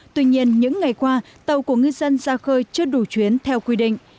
tuy nhiên những ngày qua tàu của ngư dân ra khơi chưa đủ chuyến theo quy định